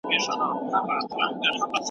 خپلو تېروتنو ته پوره پام وکړه.